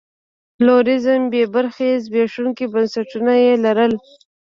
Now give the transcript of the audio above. پلورالېزم بې برخې زبېښونکي بنسټونه یې لرل.